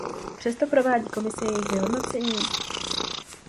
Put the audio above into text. Přesto provádí Komise jejich vyhodnocení?